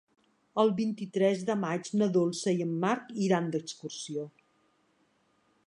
El vint-i-tres de maig na Dolça i en Marc iran d'excursió.